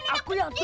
aku yang kecil